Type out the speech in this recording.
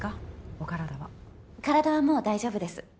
お体は体はもう大丈夫です